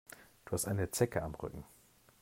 Du hast eine Zecke am Rücken.